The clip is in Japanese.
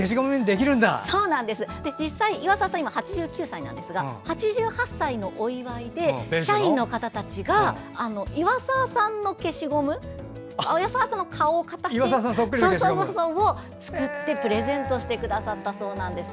実際、岩沢さん今、８９歳ですが８８歳のお祝いで社員の方たちが岩沢さんの顔の消しゴムを作ってプレゼントしてくださったそうです。